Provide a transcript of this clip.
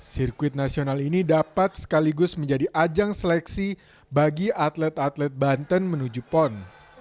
sirkuit nasional ini dapat sekaligus menjadi ajang seleksi bagi atlet atlet banten menuju pon